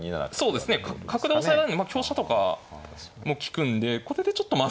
そうですね角で押さえられるので香車とかも利くんでこれでちょっとまずいと。